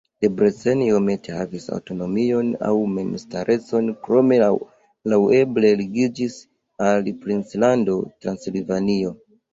Debrecen iomete havis aŭtonomion aŭ memstarecon, krome laŭeble ligiĝis al princlando Transilvanio.